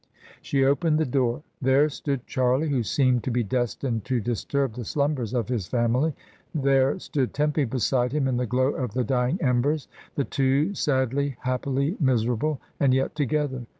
She opened the door. There stood Charlie, who seemed to be destined to disturb the slumbers of his family. There stood Tempy beside him, in the glow of the dying embers — the two sadly, happily miserable, and yet together!